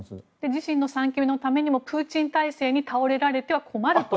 自身の３期目のためにもプーチン政権に倒れられたら困ると。